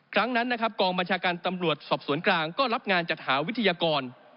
ครั้งนั้นนะครับกองบัญชาการตำรวจสอบสวนกลางก็รับงานจัดหาวิทยากร